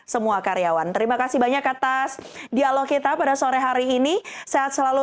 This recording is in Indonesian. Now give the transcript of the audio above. semua karyawan terima kasih banyak atas dialog kita pada sore hari ini sehat selalu